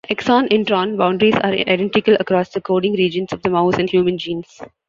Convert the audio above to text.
Exon-intron boundaries are identical across the coding regions of the mouse and human genes.